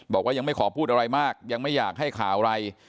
บอกว่ายังไม่ขอพูดอะไรมากยังไม่อยากให้ข่าวอะไร